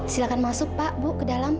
silahkan masuk pak bu ke dalam